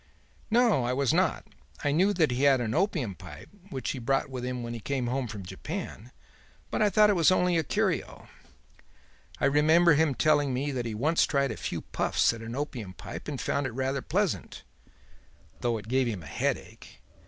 "No, I was not. I knew that he had an opium pipe which he brought with him when he came home from Japan; but I thought it was only a curio. I remember him telling me that he once tried a few puffs at an opium pipe and found it rather pleasant, though it gave him a headache.